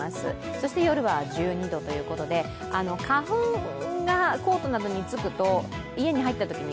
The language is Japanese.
そして夜は１２度ということで花粉がコートなどにつくと家に入ったときに、